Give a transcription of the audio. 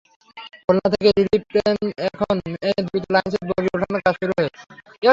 খুলনা থেকে relief train এনে দ্রুত লাইনচ্যুত বগি ওঠানোর কাজ শুরু হয়।